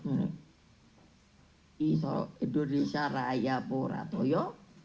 ini indonesia raya purato yo